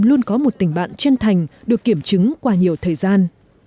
luôn có một tình bạn chân thành được kiểm chứng qua nhiều thời gian